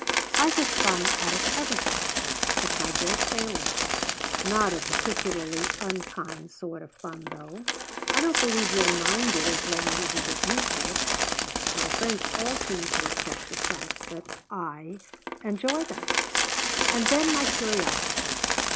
I get fun out of everything. It's my great failing. Not a particularly unkind sort of fun, though. I don't believe you'll mind it as you get used to it. My friends all seem to accept the fact that I enjoy them. And then my curiosity.